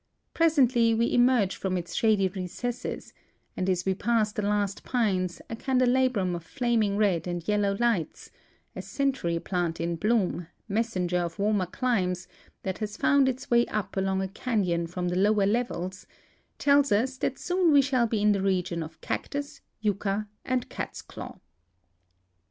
Presently we emerge from its shady recesses, and as we pass the last pines a candelabrum of flaming red and yellow lights — a century plant in bloom, messenger of warmer climes, that has found its way up along a canon from the lower levels — tells us that soon we shall be in the region qf cactus, yucca, and catsclaw.